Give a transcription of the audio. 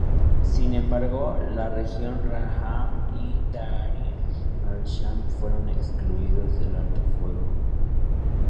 Sin embargo, la Legión Rahman y Tahrir al-Sham fueron excluidos del alto el fuego.